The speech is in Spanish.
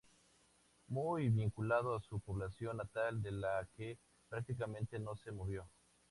Muy vinculado a su población natal, de la que prácticamente no se movió.